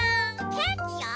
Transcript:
ケーキよ！